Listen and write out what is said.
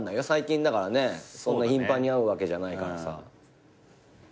最近そんな頻繁に会うわけじゃないからさ。